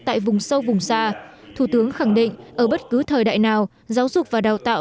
tại vùng sâu vùng xa thủ tướng khẳng định ở bất cứ thời đại nào giáo dục và đào tạo